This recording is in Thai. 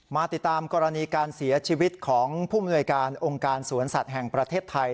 มาติดตามกรณีการเสียชีวิตของผู้มนวยการองค์การสวนสัตว์แห่งประเทศไทย